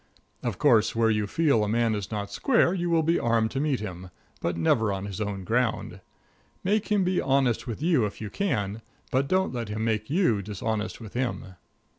Of course, where you feel a man is not square you will be armed to meet him, but never on his own ground. Make him be honest with you if you can, but don't let him make you dishonest with him.